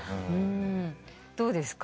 どうですか？